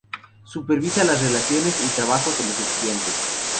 Supervisa las realizaciones y trabajos de los estudiantes.